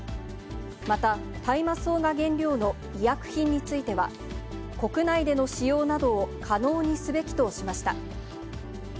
また、大麻草が原料の医薬品については、国内での使用などを可能にすべきとしました。